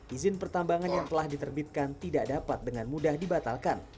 izin pertambangan yang telah diterbitkan tidak dapat dengan mudah dibatalkan